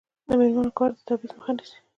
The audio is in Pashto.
د میرمنو کار د تبعیض مخه نیسي.